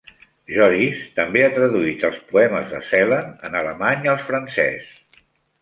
Joris també ha traduït els poemes de Celan en alemany al francès.